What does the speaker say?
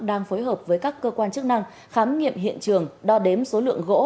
đang phối hợp với các cơ quan chức năng khám nghiệm hiện trường đo đếm số lượng gỗ